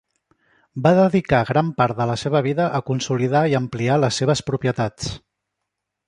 Va dedicar gran part de la seva vida a consolidar i ampliar les seves propietats.